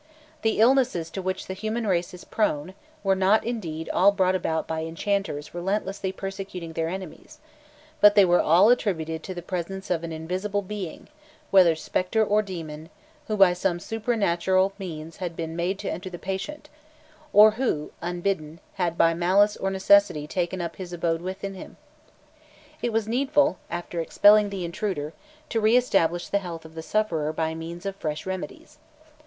The illnesses to which the human race is prone, were not indeed all brought about by enchanters relentlessly persecuting their enemies, but they were all attributed to the presence of an invisible being, whether spectre or demon, who by some supernatural means had been made to enter the patient, or who, unbidden, had by malice or necessity taken up his abode within him. It was needful, after expelling the intruder, to re establish the health of the sufferer by means of fresh remedies.